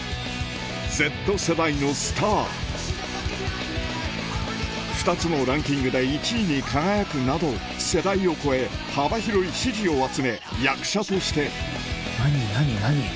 Ｚ世代のスター２つのランキングで１位に輝くなど世代を超え幅広い支持を集め役者として何何何。